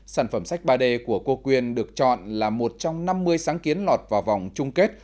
sản phẩm sách ba d của cô quyên được chọn là một trong năm mươi sáng kiến lọt vào vòng chung kết